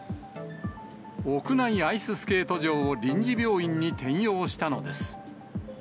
屋内アイススケート場を臨時病院に転用したのです。